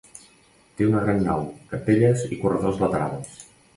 Té una gran nau, capelles i corredors laterals.